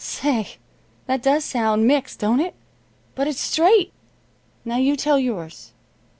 Say, that does sound mixed, don't it? But it's straight. Now you tell yours."